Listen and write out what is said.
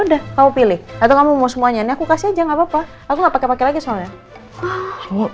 udah kamu pilih atau kamu mau semuanya aku kasih aja nggak papa aku pakai pakai lagi soalnya semua